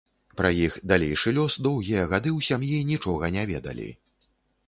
Пра іх далейшы лёс доўгія гады ў сям'і нічога не ведалі.